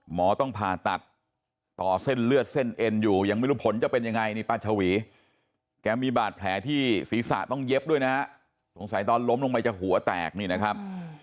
หมอต้องผ่าตัดต่อเส้นเลือดเส้นเอ็นอยู่ยังไม่รู้ผลจะเป็นยังไงนี่ป้าชวีแกมีบาดแผลที่ศีรษะต้องเย็บด้วยนะฮะสงสัยตอนล้มลงไปจะหัวแตกนี่นะครับ